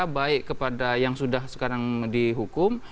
baik kepada yang sudah sekarang dihukum